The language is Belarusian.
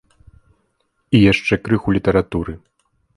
І яшчэ крыху літаратуры.